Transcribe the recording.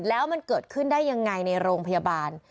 แล้วมันเกิดขึ้นได้ยังไงในโรงพยาบาล